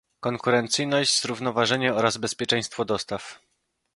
konkurencyjność, zrównoważenie oraz bezpieczeństwo dostaw